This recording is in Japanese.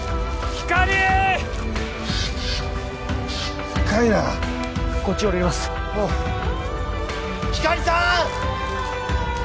光莉さん！